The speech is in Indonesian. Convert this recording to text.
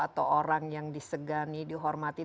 atau orang yang disegani dihormati